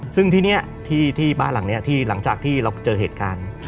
ซึ่งที่บ้านหลังจากที่เราเจอเหตุการณ์